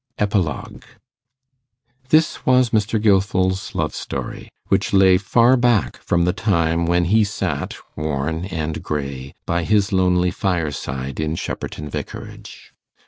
EPILOGUE This was Mr. Gilfil's love story, which lay far back from the time when he sat, worn and grey, by his lonely fireside in Shepperton Vicarage.